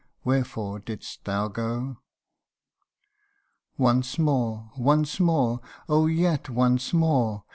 wherefore didst thou go ?' Once more once more oh ! yet once more